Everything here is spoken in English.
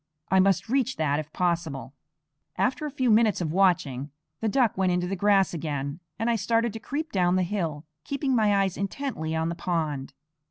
I must reach that if possible. After a few minutes of watching, the duck went into the grass again, and I started to creep down the hill, keeping my eyes intently on the pond.